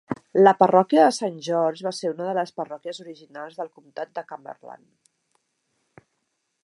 La parròquia de Saint George va ser una de les parròquies originals del comtat de Cumberland.